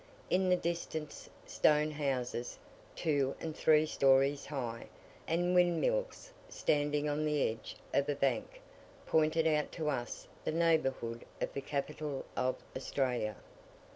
In the distance stone houses, two and three stories high, and windmills standing on the edge of a bank, pointed out to us the neighbourhood of the capital of Australia.